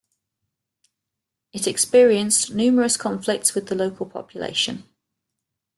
It experienced numerous conflicts with the local population.